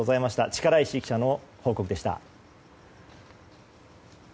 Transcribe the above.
力石記者の報告でした。